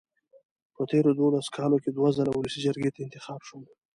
په تېرو دولسو کالو کې دوه ځله ولسي جرګې ته انتخاب شوم.